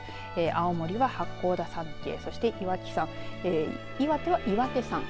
青森は八甲田山系そして岩木山岩手は岩手山。